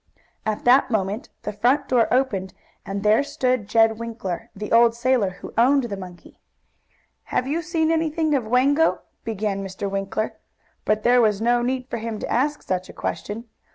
At that moment the front door opened, and there stood Jed Winkler, the old sailor, who owned the monkey. "Have you seen anything of Wango?" began Mr. Winkler, but there was no need for him to ask such a question.